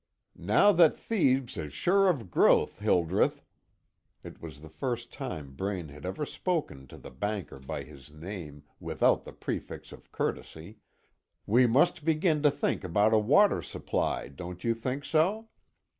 "Now that Thebes is sure of growth, Hildreth," it was the first time Braine had ever spoken to the banker by his name, without the prefix of courtesy, "we must begin to think about a water supply, don't you think so?